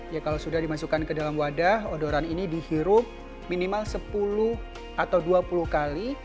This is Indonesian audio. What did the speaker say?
ya kalau sudah dimasukkan ke dalam wadah odoran ini dihirup minimal sepuluh atau dua puluh kali